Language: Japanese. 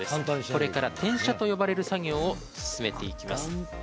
これから転写と呼ばれる作業を進めていきます。